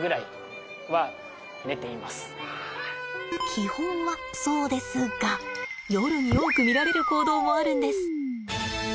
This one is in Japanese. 基本はそうですが夜に多く見られる行動もあるんです。